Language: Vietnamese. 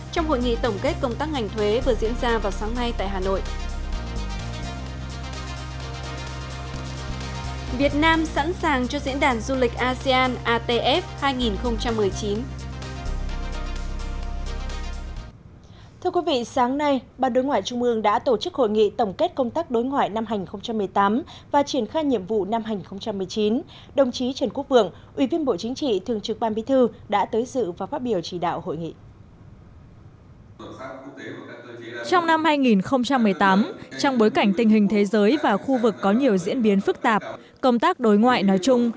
trong năm hai nghìn một mươi tám trong bối cảnh tình hình thế giới và khu vực có nhiều diễn biến phức tạp công tác đối ngoại nói chung